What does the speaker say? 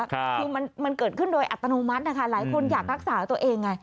คือมันเกิดขึ้นโดยอัตโนมัตินะคะหลายคนอยากรักษาตัวเองไง